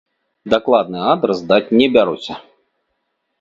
Дакладны адрас даць не бяруся.